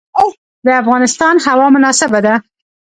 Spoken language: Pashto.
د افغانستان هوا مناسبه ده.